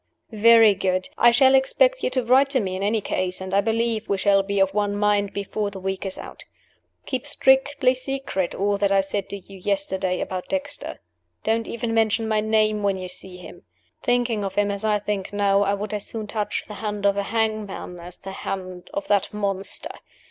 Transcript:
"Very good. I shall expect you to write to me, in any case; and I believe we shall be of one mind before the week is out. Keep strictly secret all that I said to you yesterday about Dexter. Don't even mention my name when you see him. Thinking of him as I think now, I would as soon touch the hand of the hangman as the hand of that monster!